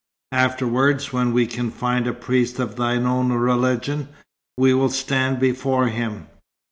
Afterwards, when we can find a priest of thine own religion, we will stand before him."